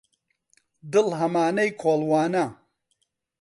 دڵ هەمانەی کۆڵوانە